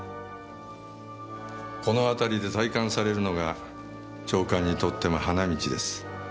この辺りで退官されるのが長官にとっても花道です。